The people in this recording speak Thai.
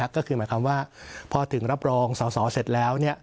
ก็คือหมายความว่าพอถึงรับรองสอสอเสร็จแล้ว